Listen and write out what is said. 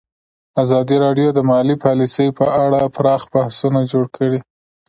ازادي راډیو د مالي پالیسي په اړه پراخ بحثونه جوړ کړي.